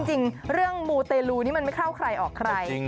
จริงเรื่องมูเตลูนี่มันไม่เข้าใครออกใคร